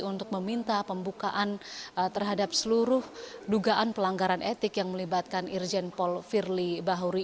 untuk meminta pembukaan terhadap seluruh dugaan pelanggaran etik yang melibatkan irjen paul firly bahuri